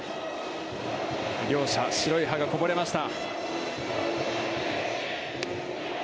両者白い歯がこぼれました。